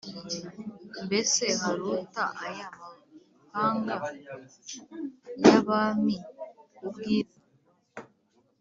Mbese haruta aya mahanga y’abami ubwiza